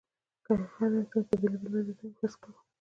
که هر انسان په بېلابېلو وضعیتونو کې فرض کړو.